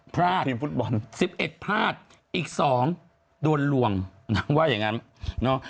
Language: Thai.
ทีมฟุตบอล๑๑พลาดอีก๒โดนลวงนางว่าอย่างนั้นเนาะ